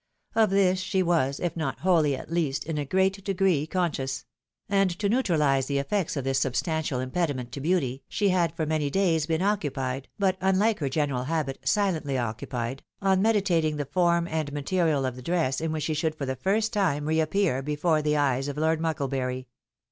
Of this she was, if not wholly, at least, in a great degree, conscious; and to neutraHse the effects of this substantial impediment to beauty, she had for many days been occupied (but, unlike her general habit, silently occupied) on me ditating the form and material of the dress in which she should for the first time re appear before the eyes of Lord Mucklebury.